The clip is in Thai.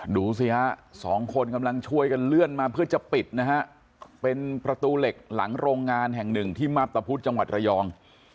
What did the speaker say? ดูสิฮะสองคนกำลังช่วยกันเลื่อนมาเพื่อจะปิดนะฮะเป็นประตูเหล็กหลังโรงงานแห่งหนึ่งที่มาพตะพุธจังหวัดระยอง